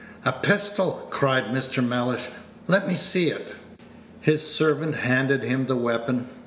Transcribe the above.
"A pistol!" cried Mr. Mellish; "let me see it." His servant handed him the weapon.